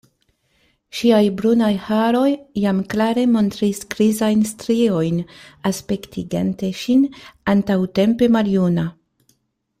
Ŝiaj brunaj haroj jam klare montris grizajn striojn, aspektigante ŝin antaŭtempe maljuna.